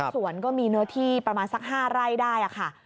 สวนก็มีเนื้อที่ประมาณสัก๕ไร่ได้ค่ะ